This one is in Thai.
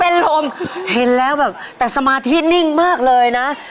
เราเห็นการทำงานบ้างนะครับ